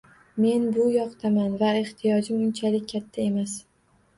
Men buydoqman va ehtiyojim unchalik katta emas